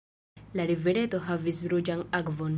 La rivereto havis ruĝan akvon.